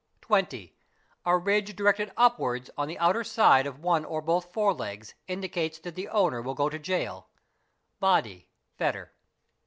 | 20. A ridge directed upwards on the outer side of one or both forelegs — indicates that the owner will go to jail, (badi—fetter).